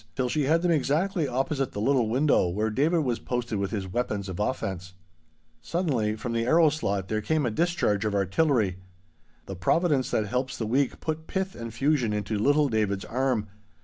till she had them exactly opposite the little window where David was posted with his weapons of offence. Suddenly from the arrow slot there came a discharge of artillery. The providence that helps the weak put pith and fusion into little David's arm.